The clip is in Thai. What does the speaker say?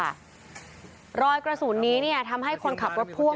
รอยกระสุนนี้เนี่ยทำให้คนขับรถพ่วง